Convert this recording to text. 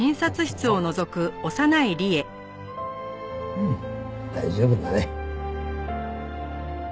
うん大丈夫だね。